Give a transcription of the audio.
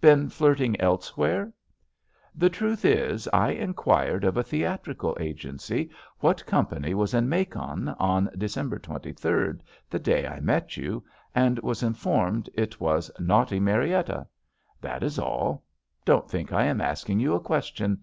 "Been flirting elsewhere?" "The truth is I inquired of a theatrical agency what company was in Macon on De cember 23d, the day I met you, and was in formed it was 'Naughty Marietta.' That is all. Don't think I am asking you a question.